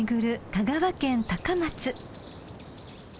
香川県高松］